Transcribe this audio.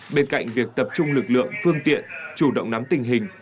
bên cạnh việc tập trung lực lượng phương tiện chủ động nắm tình hình